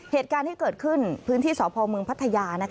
เหตุการณ์ที่เกิดขึ้นพื้นที่สพเมืองพัทยา